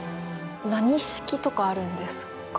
何式とかあるんですか？